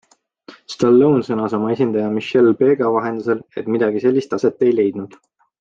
Stallone sõnas oma esindaja Michelle Bega vahendusel, et midagi sellist aset ei leidnud.